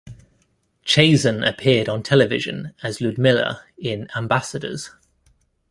Chazen appeared on television as Ludmilla in "Ambassadors".